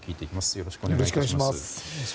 よろしくお願いします。